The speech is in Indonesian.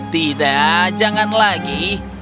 tidak jangan lagi